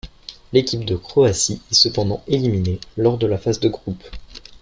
L'équipe de Croatie est cependant éliminée lors de la phase de groupes.